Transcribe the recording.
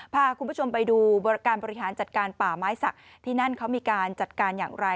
พาคุณผู้ชมไปดูการบริหารจัดการป่าไม้สักที่นั่นเขามีการจัดการอย่างไร